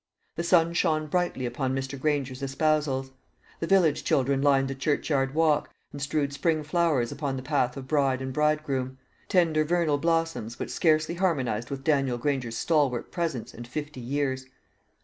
The sun shone brightly upon Mr. Granger's espousals. The village children lined the churchyard walk, and strewed spring flowers upon the path of bride and bridegroom tender vernal blossoms which scarcely harmonised with Daniel Granger's stalwart presence and fifty years.